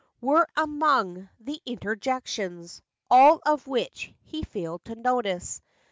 Were among the interjections ; All of which he failed to notice.